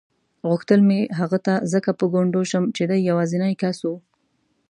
غوښتل مې هغه ته ځکه په ګونډو شم چې دی یوازینی کس و.